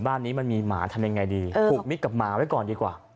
บ้านนี้มันมีหมาทำยังไงดีผูกมิตรกับหมาไว้ก่อนดีกว่า